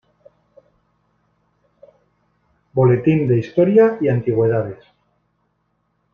Boletín de Historia y Antigüedades.